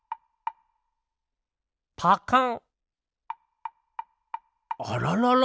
パカン！あららら？